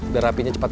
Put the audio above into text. udah rapinya cepat